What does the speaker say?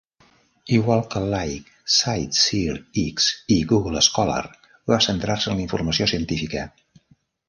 Igual que Like CiteSeerX i Google Scholar, va centrar-se en la informació científica.